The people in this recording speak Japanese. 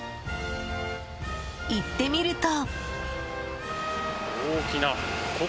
行ってみると。